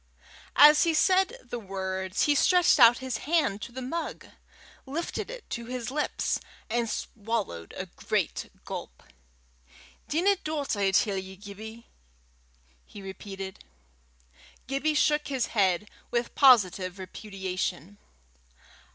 As he said the words, he stretched out his own hand to the mug, lifted it to his lips, and swallowed a great gulp. "Dinna do 't, I tell ye, Gibbie," he repeated. Gibbie shook his head with positive repudiation.